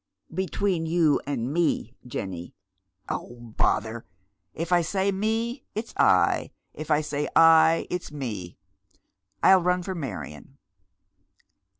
" Between you and me, Jenny I "" Oh, bother 1 If I say me, it's I ; if I say I, it's me. I'll run for Marion."